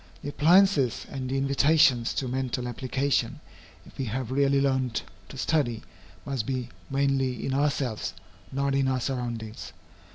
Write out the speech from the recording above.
The appliances and the invitations to mental application, if we have really learned to study, must be mainly in ourselves, not in our surroundings.